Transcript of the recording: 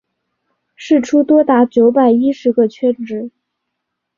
释出多达九百一十个职缺